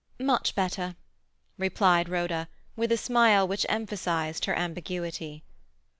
"Much better," replied Rhoda, with a smile which emphasized her ambiguity.